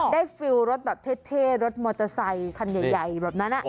ฟิลรถแบบเท่รถมอเตอร์ไซคันใหญ่แบบนั้น